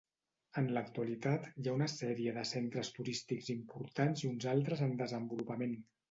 En l'actualitat, hi ha una sèrie de centres turístics importants i uns altres en desenvolupament.